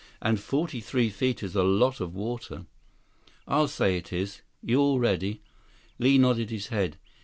And forty three feet is a lot of water." "I'll say it is. You all ready?" Li nodded his head.